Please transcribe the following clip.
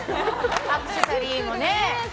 アクセサリーもね。